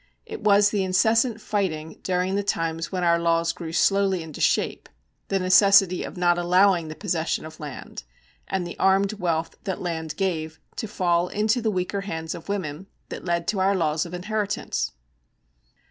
It was the incessant fighting during the times when our laws grew slowly into shape, the necessity of not allowing the possession of land, and the armed wealth that land gave, to fall into the weaker hands of women, that led to our laws of inheritance.